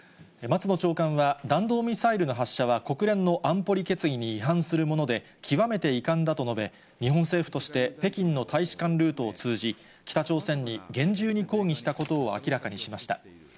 松野長官は、弾道ミサイルの発射は、国連の安保理決議に違反するもので、極めて遺憾だと述べ、日本政府として、北京の大使館ルートを通じ、北朝鮮に厳重に抗議したことを明らかにしました。